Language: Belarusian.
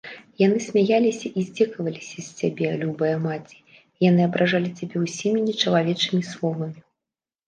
Яны смяяліся і здзекваліся з цябе, любая маці, яны абражалі цябе ўсімі нечалавечымі словамі.